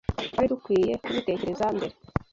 Twari dukwiye kubitekereza mbere.